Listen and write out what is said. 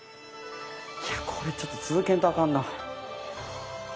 いやこれちょっと続けんとあかんな。